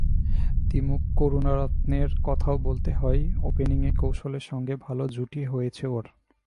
দিমুথ করুনারত্নের কথাও বলতে হয়, ওপেনিংয়ে কৌশলের সঙ্গে ভালো জুটি হয়েছে ওর।